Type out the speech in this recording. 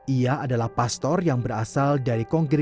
ia adalah pastor yang berasal dari seville irlandia